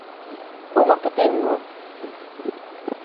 — Омо пытен мо?